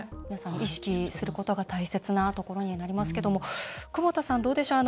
意識するのが大切なところになりますが久保田さん、どうでしょう。